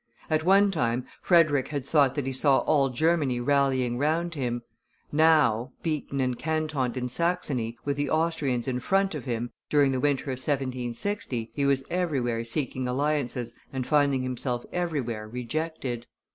At one time Frederick had thought that he saw all Germany rallying round him; now, beaten and cantoned in Saxony, with the Austrians in front of him, during the winter of 1760, he was everywhere seeking alliances and finding himself everywhere rejected.